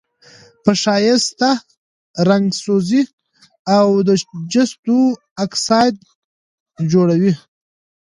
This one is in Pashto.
په ښایسته رنګ سوزي او د جستو اکسایډ جوړوي.